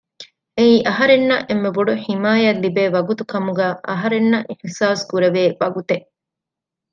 އެއީ އަހަރެންނަށް އެންމެ ބޮޑު ޙިމާޔަތް ލިބޭ ވަގުތު ކަމުގައި އަހަރެންނަށް އިޙްސާސް ކުރެވޭ ވަގުތެއް